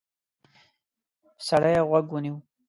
سړی غوږ ونیو.